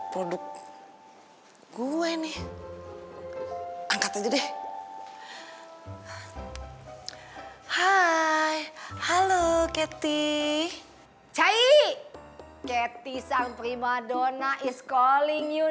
iklan produk gue nih angkat aja deh hai hai halo cathy cahy cathy sang prima donna is calling you